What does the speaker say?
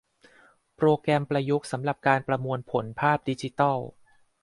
โปรแกรมประยุกต์สำหรับการประมวลผลภาพดิจิทัล